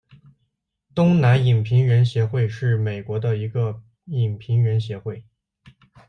东南影评人协会是美国的一个影评人协会。